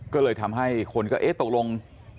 ก็เลยทำให้คนก็ตกลง